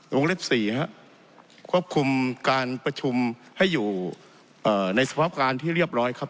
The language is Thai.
วงเล็บ๔ควบคุมการประชุมให้อยู่ในสภาพการที่เรียบร้อยครับ